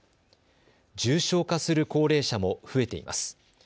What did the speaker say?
重症化する高齢者も増えています。